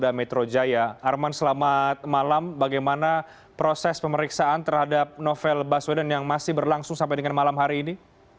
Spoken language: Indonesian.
art arman selamat malam bagaimana proses pemeriksaan terhadap novel baswedan yang masih berlangsung sampai dengan malam hari ini